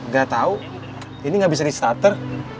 gak tau ini gak bisa di starter